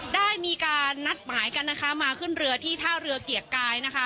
ได้มีการนัดหมายกันนะคะมาขึ้นเรือที่ท่าเรือเกียรติกายนะคะ